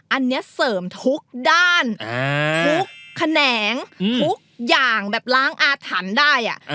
อันนี้เสริมทุกด้านทุกแขนงทุกอย่างแบบล้างอาถรรพ์ได้